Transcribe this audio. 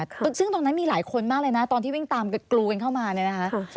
ซึ่งตรงนั้นมีหลายคนมากเลยนะตอนที่วิ่งตามกรูกันเข้ามาเนี่ยนะคะ